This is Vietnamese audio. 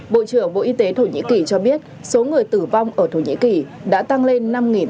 bộ trưởng bộ y tế thổ nhĩ kỳ cho biết số người tử vong ở thổ nhĩ kỳ đã tăng lên năm tám trăm chín mươi bốn